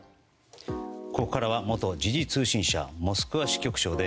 ここからは元時事通信社モスクワ支局長で